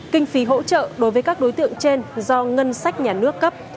kinh phí hỗ trợ đối với các đối tượng trên do ngân sách nhà nước cấp